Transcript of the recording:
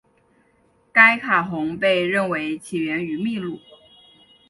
该卡洪被认为起源于秘鲁。